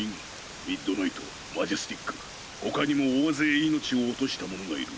ミッドナイトマジェスティック他にも大勢命を落とした者がいる。